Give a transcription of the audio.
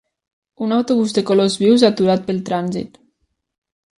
Un autobús de colors vius aturat pel trànsit.